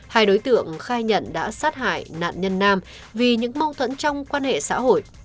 hai đối tượng khai nhận đã sát hại nạn nhân nam vì những mâu thuẫn trong quan hệ xã hội